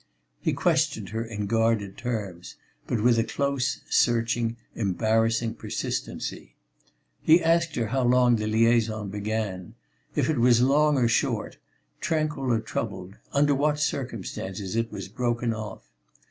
He questioned her in guarded terms, but with a close, searching, embarrassing persistency. He asked her how the liaison began, if it was long or short, tranquil or troubled, under what circumstances it was broken off.